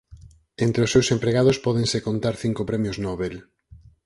Entre os seus empregados pódense contar cinco premios Nobel.